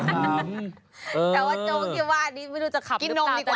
เออแต่ว่าโจ๊กที่วาดนี่ไม่รู้จะหับหรือเปล่า